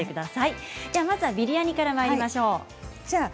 ビリヤニからまいりましょう。